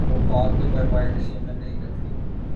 وہ خاک کہ پروائے نشیمن نہیں رکھتی